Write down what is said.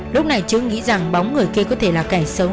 lúc này chữ nghĩ rằng bóng người kia có thể là kẻ xấu